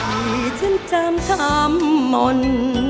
ที่ฉันจำคำน